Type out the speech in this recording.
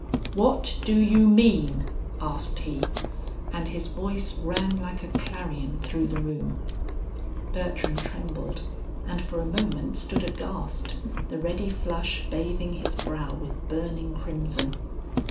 "What do you mean?" asked he, and his voice rang like a clarion through the room. Bertram trembled and for a moment stood aghast, the ready flush bathing his brow with burning crimson.